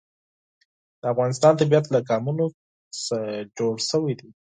د افغانستان طبیعت له قومونه څخه جوړ شوی دی.